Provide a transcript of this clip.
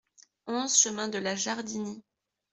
onze chemin de la Jardinie